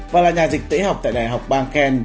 và là nhà dịch tễ học tại đại học bangken